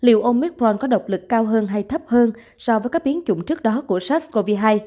liệu ông micron có độc lực cao hơn hay thấp hơn so với các biến chủng trước đó của sars cov hai